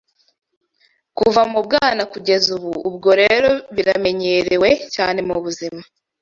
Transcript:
kuva mu bwana kugeza ubu, ubwo rero biramenyerewe cyane mubuzima